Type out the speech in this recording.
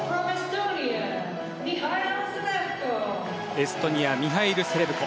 エストニアミハイル・セレブコ。